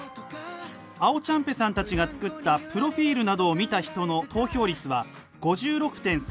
あおちゃぺさんたちが作ったプロフィールなどを見た人の投票率は５６．３％。